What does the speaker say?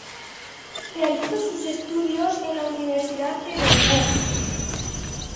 Realizó sus estudios en la Universidad de Dong Guk.